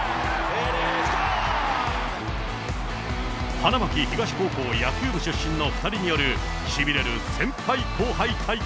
花巻東高校野球部出身の２人による、しびれる先輩後輩対決。